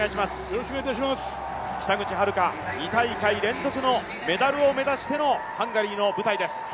北口榛花、２大会連続のメダルを目指してのハンガリーの舞台です。